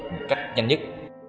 một cách nhanh nhất